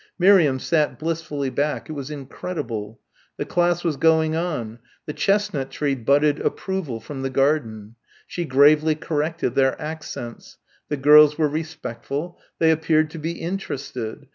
Miriam sat blissfully back. It was incredible. The class was going on. The chestnut tree budded approval from the garden. She gravely corrected their accents. The girls were respectful. They appeared to be interested.